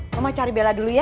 mama cari bella dulu ya